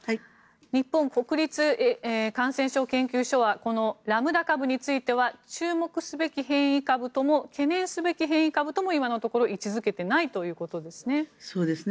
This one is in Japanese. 日本国立感染症研究所はラムダ株については注目すべき変異株とも懸念すべき変異株とも今のところ位置付けていないということですね。